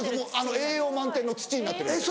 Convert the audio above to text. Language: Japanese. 栄養満点の土になってるんで。